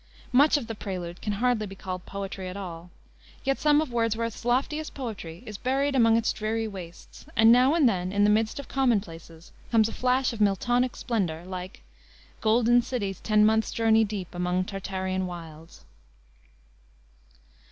Much of The Prelude can hardly be called poetry at all, yet some of Wordsworth's loftiest poetry is buried among its dreary wastes, and now and then, in the midst of commonplaces, comes a flash of Miltonic splendor like "Golden cities ten months' journey deep Among Tartarian wilds."